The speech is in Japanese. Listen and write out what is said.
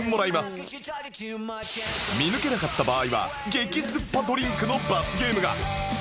見抜けなかった場合は激すっぱドリンクの罰ゲームが！